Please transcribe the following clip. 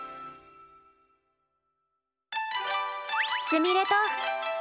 すみれと。